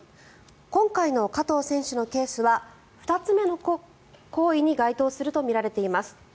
今回の加藤選手のケースは２つ目の行為に該当するとみられています。